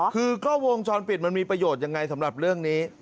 คือกล้องวงจรปิดมันมีประโยชน์ยังไงสำหรับเรื่องนี้